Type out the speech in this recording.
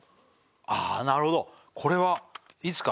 ああなるほどこれはいいっすか？